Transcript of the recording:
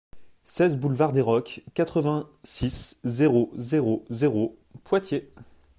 seize boulevard des Rocs, quatre-vingt-six, zéro zéro zéro, Poitiers